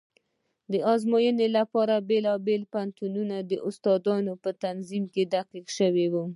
د ازموینې لپاره د بېلابېلو پوهنتونونو د استادانو په تنظیم کې دقت شوی و.